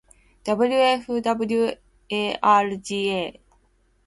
wfwarga